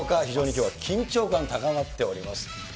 非常にきょうは緊張感高まっております。